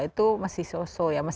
itu masih sosok ya